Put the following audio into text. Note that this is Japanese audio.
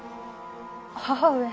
母上。